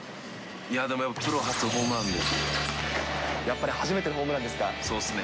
いやでも、プロ初ホームランやっぱり初めてのホームランそうですね。